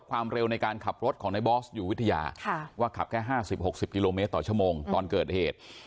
ความเร็วในการขับรถของในบอสอยู่วิทยาว่าขับแค่๕๐๖๐กิโลเมตรต่อชั่วโมงตอนเกิดเหตุ